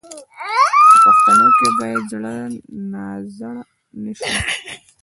په پوښتنو کې باید زړه نازړه نه شو.